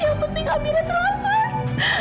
yang penting amira selamat